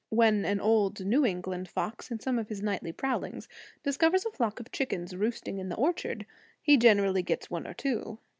When an old New England fox in some of his nightly prowlings discovers a flock of chickens roosting in the orchard, he generally gets one or two.